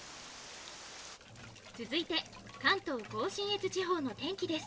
「続いて関東甲信越地方の天気です。